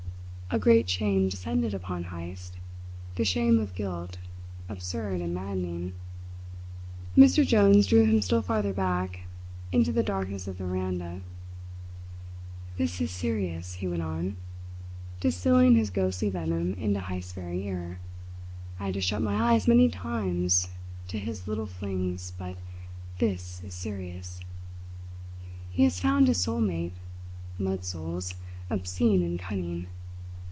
A great shame descended upon Heyst the shame of guilt, absurd and maddening. Mr. Jones drew him still farther back into the darkness of the veranda. "This is serious," he went on, distilling his ghostly venom into Heyst's very ear. "I had to shut my eyes many times to his little flings; but this is serious. He has found his soul mate. Mud souls, obscene and cunning!